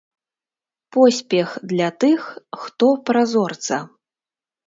Поспех для тых, хто празорца!